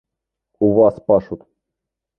У вас пашут.